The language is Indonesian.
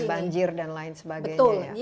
banjir dan lain sebagainya